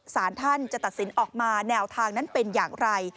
สารท่านจะตัดสินออกมาแนวทางนั้นเป็นอย่างไร